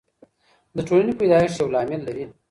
د ټولني پیدایښت یو لامل لري.